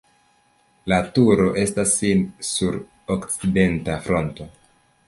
La turo estas sur okcidenta fronto.